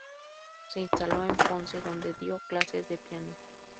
Se instaló en Ponce donde dio clases de piano.